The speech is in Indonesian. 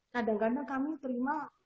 kadang kadang kami terima